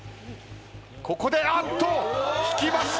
ここであっと引きました！